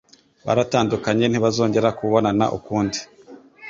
Baratandukanye, ntibazongera kubonana ukundi.